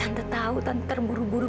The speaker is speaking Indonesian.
tante tahu tante terburu buru